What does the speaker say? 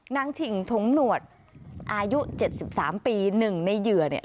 ฉิ่งถงหนวดอายุ๗๓ปี๑ในเหยื่อเนี่ย